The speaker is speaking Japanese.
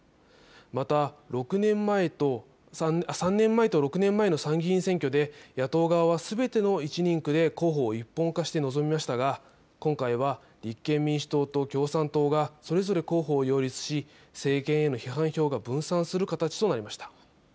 また３年前と６年前の参議院選挙で野党側はすべての１人区で候補を一本化して臨みましたが今回は立憲民主党と共産党がそれぞれ候補を擁立し政権への批判票が分散する形となりました。